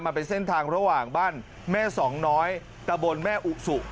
มันเป็นเส้นทางระหว่างบ้านแม่สองน้อยตะบนแม่อุสุ